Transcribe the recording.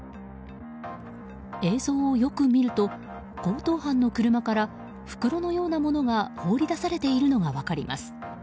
映像をよく見ると強盗犯の車から袋のようなものが放り出されているのが分かります。